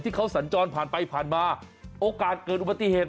เขาสัญจรผ่านไปผ่านมาโอกาสเกิดอุบัติเหตุ